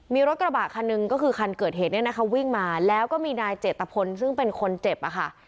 มีรถกระบะคันหนึ่งก็คือคันเกิดเหตุเนี่ยนะคะวิ่งมาแล้วก็มีนายเจตพลซึ่งเป็นคนเจ็บอะค่ะ